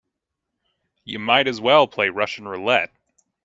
You might as well play Russian roulette.